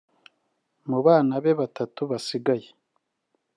Mu bana be batatu basigaye